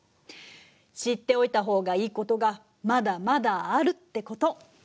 知っておいた方がいいことがまだまだあるってこと。